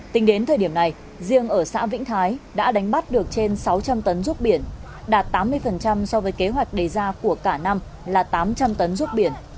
tính đến thời điểm này riêng ở xã vĩnh thái đã đánh bắt được trên sáu trăm linh tấn ruốc biển đạt tám mươi so với kế hoạch đề ra của cả năm là tám trăm linh tấn ruốc biển